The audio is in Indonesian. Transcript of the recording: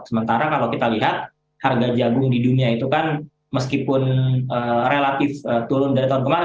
sementara kalau kita lihat harga jagung di dunia itu kan meskipun relatif turun dari tahun kemarin